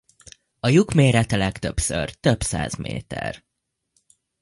A lyuk mérete legtöbbször több száz méter.